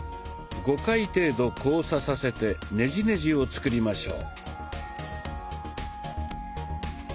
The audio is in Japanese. ５回程度交差させてネジネジを作りましょう。